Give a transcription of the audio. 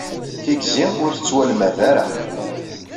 Tigzi ur tettwalmad ara.